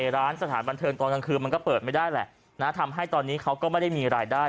ร้านสถานบันเทิงตอนกลางคืนมันก็เปิดไม่ได้แหละนะทำให้ตอนนี้เขาก็ไม่ได้มีรายได้